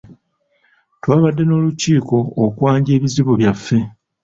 Twabadde n'olukiiko okwanja ebizibu byaffe.